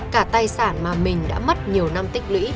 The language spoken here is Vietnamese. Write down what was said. cả tài sản mà mình đã mất nhiều năm tích lũy